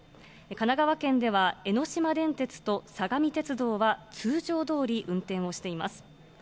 神奈川県では江ノ島電鉄と相模鉄道は通常どおり運転をしています。